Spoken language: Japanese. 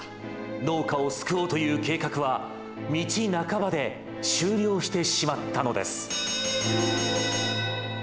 農家を救おうという計画は道半ばで終了してしまったのです。